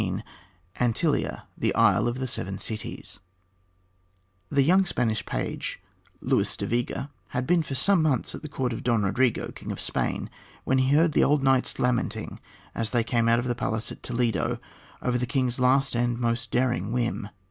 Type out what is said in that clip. XV ANTILLIA, THE ISLAND OF THE SEVEN CITIES The young Spanish page, Luis de Vega, had been for some months at the court of Don Rodrigo, king of Spain, when he heard the old knights lamenting, as they came out of the palace at Toledo, over the king's last and most daring whim.